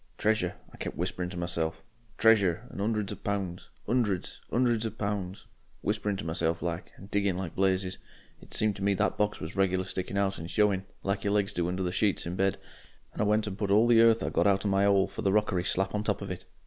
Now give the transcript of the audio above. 'Treasure,' I kep' whisperin' to myself, 'Treasure' and ''undreds of pounds, 'undreds, 'undreds of pounds.' Whispering to myself like, and digging like blazes. It seemed to me the box was regular sticking out and showing, like your legs do under the sheets in bed, and I went and put all the earth I'd got out of my 'ole for the rockery slap on top of it.